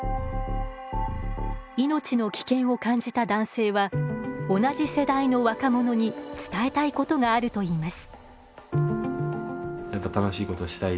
命の危険を感じた男性は同じ世代の若者に伝えたいことがあると言います。